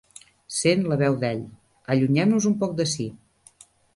Sent la veu d'ell. Allunyem-nos un poc d'ací!